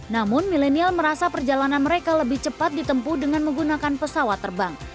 namun milenial merasa perjalanan mereka lebih cepat ditempu dengan menggunakan pesawat terbang